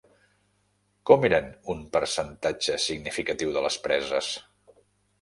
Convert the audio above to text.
Com eren un percentatge significatiu de les preses?